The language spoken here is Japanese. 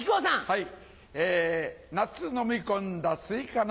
はい。